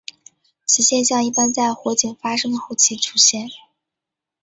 此现象一般在火警发生的后期出现。